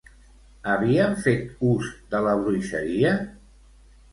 Havien fet ús de la bruixeria?